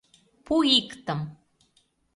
Пу иктым?